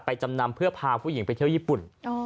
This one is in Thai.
จำนำเพื่อพาผู้หญิงไปเที่ยวญี่ปุ่น